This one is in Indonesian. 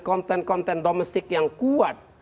konten konten domestik yang kuat